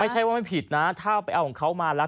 ไม่ใช่ว่าไม่ผิดนะถ้าไปเอาของเขามาแล้ว